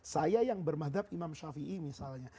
saya yang bermadhab imam shafiee misalnya